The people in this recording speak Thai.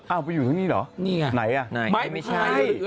อ้าวมันอยู่ตรงนี้เหรอไหนอ่ะไม้พายเรือ